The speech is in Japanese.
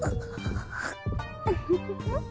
ウフフフ。